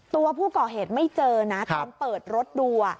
ตัวผู้ก่อเหตุไม่เจอนะตอนเปิดรถดู